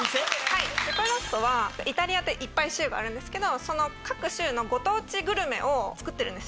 はいペペロッソはイタリアっていっぱい州があるんですけどその各州のご当地グルメを作ってるんですよ。